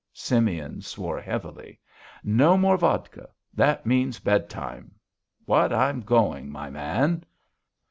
Simeon swore heavily. "No more vodka! That means bedtime. What? I'm going, my man."